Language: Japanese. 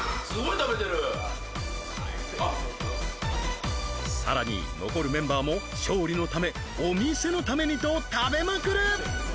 食べてるさらに残るメンバーも勝利のためお店のためにと食べまくる！